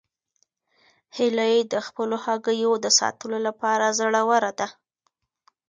هیلۍ د خپلو هګیو د ساتلو لپاره زړوره ده